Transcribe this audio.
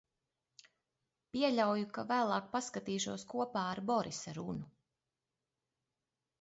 Pieļauju, ka vēlāk paskatīšos kopā ar Borisa runu.